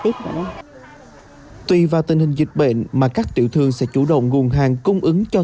tiếp rồi đó tuy vào tình hình dịch bệnh mà các triệu thương sẽ chủ động nguồn hàng cung ứng cho